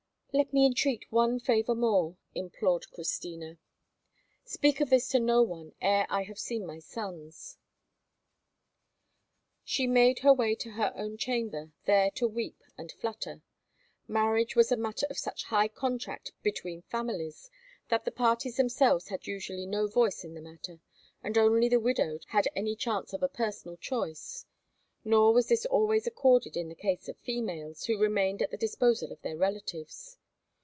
"Let me entreat one favour more," implored Christina. "Speak of this to no one ere I have seen my sons." She made her way to her own chamber, there to weep and flutter. Marriage was a matter of such high contract between families that the parties themselves had usually no voice in the matter, and only the widowed had any chance of a personal choice; nor was this always accorded in the case of females, who remained at the disposal of their relatives.